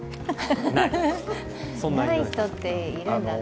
ない人って、いるんだな。